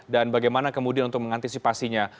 dan bagaimana kemudian untuk mengantisipasinya